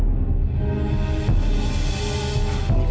tante riza aku ingin tahu